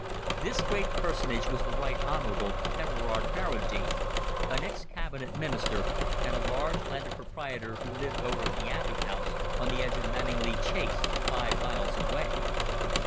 This great personage was the Right Honorable Everard Barradine, an ex Cabinet Minister and a large landed proprietor, who lived over at the Abbey House, on the edge of Manninglea Chase, five miles away.